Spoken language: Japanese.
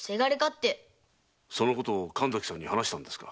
そのことを神崎さんに話したんですか？